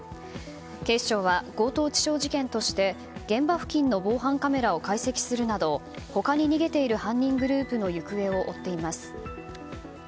警視庁は強盗致傷事件として現場付近の防犯カメラを解析するなど他に逃げている犯人グループの行方を追っています。